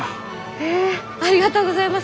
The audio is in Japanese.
へえありがとうございます。